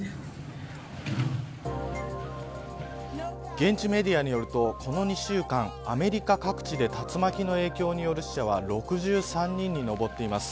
現地メディアによるとこの２週間アメリカ各地で竜巻の影響による死者は、６３人に上っています。